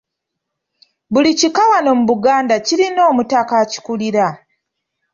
Buli kika wano mu Buganda kirina omutaka akikulira.